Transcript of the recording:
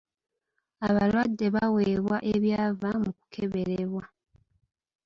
Abalwadde baaweebwa ebyava mu kukeberebwa.